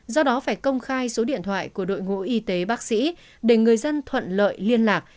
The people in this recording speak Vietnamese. do đó phải công khai số điện thoại của đội ngũ y tế bác sĩ để người dân thuận lợi liên lạc